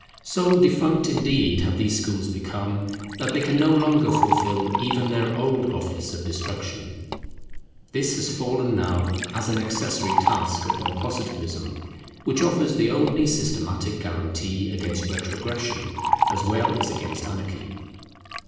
So defunct, indeed, have these schools become, that they can no longer fulfil even their old office of destruction. This has fallen now as an accessory task upon Positivism, which offers the only systematic guarantee against retrogression as well as against anarchy.